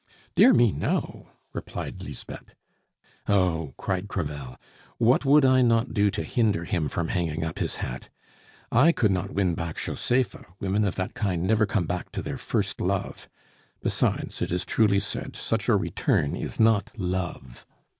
"Dear me, no," replied Lisbeth. "Oh!" cried Crevel, "what would I not do to hinder him from hanging up his hat! I could not win back Josepha; women of that kind never come back to their first love. Besides, it is truly said, such a return is not love.